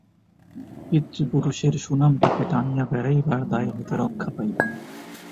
পিতৃপুরুষের সুনামটাকে টানিয়া বেড়াইবার দায় হইতে রক্ষা পাইলাম।